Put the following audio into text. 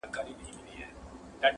مسافري خواره خواري ده!!